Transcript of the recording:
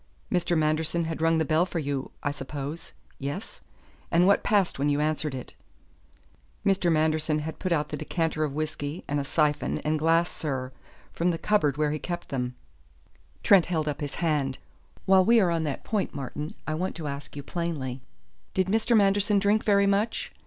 "Mr. Manderson had rung the bell for you, I suppose. Yes? And what passed when you answered it?" "Mr. Manderson had put out the decanter of whisky and a syphon and glass, sir, from the cupboard where he kept them " Trent held up his hand. "While we are on that point, Martin, I want to ask you plainly, did Mr. Manderson drink very much?